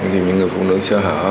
điền những người phụ nữ sơ hở